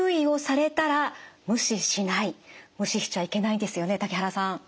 無視しちゃいけないんですよね竹原さん。